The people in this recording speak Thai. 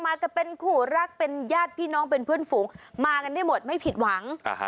ก็เป็นคู่รักเป็นญาติพี่น้องเป็นเพื่อนฝูงมากันได้หมดไม่ผิดหวัง